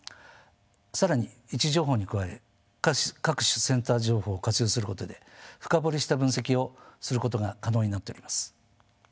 更に位置情報に加え各種センサー情報を活用することで深掘りした分析をすることが可能になっております。